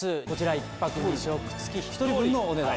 １泊２食付き１人分のお値段。